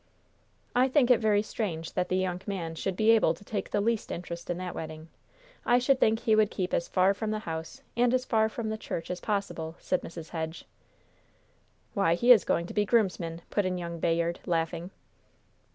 "I think it very strange that the young man should be able to take the least interest in that wedding. I should think he would keep as far from the house and as far from the church as possible!" said Mrs. Hedge. "Why, he is going to be groomsman!" put in young Bayard, laughing.